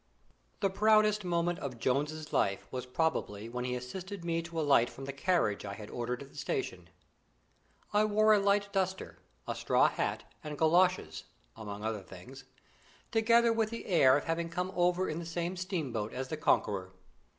The proudest moment of Jones's life was probably when he assisted me to alight from the carriage I had ordered at the station. I wore a light duster, a straw hat, and goloshes (among other things), together with the air of having come over in the same steamboat as the Conqueror.